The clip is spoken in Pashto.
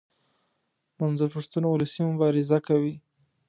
منظور پښتون اولسي مبارزه کوي.